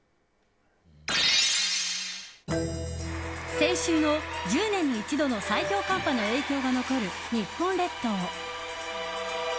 先週の１０年に一度の最強寒波の影響が残る日本列島。